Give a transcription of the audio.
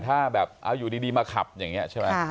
แต่ถ้าอยู่ดีมาขับอย่างนี้ใช่ไหม